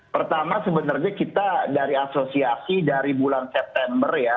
pertama sebenarnya kita dari asosiasi dari bulan september ya